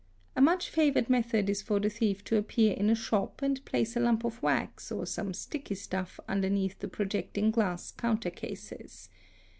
A much favoured method is for a thief to appear in a shop and place a lump of wax or some sticky stuff underneath the projecting glass counter cases.